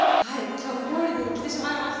「きょうの料理」に来てしまいました。